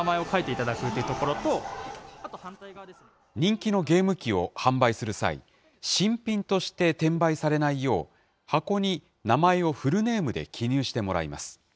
人気のゲーム機を販売する際、新品として転売されないよう、箱に名前をフルネームで記入してもらいます。